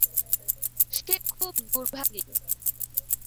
সে খুব দুর্ভাগী।